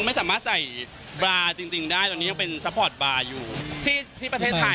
ไม่มีแผนแล้วก็ไม่รู้เนาะ